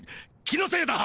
気のせいだ。